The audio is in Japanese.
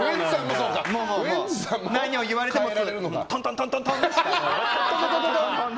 何を言われてもトントントンって。